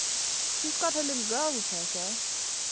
"She's got her little girl with her, sir."